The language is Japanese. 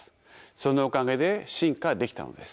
そのおかげで進化できたのです。